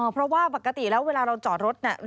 เพราะว่าปกติแล้วเวลาเราจอดรถน่ะ